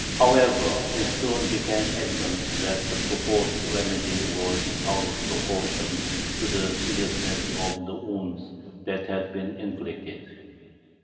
However, it soon became evident that the proposed remedy was out of proportion to the seriousness of the wound that had been inflicted.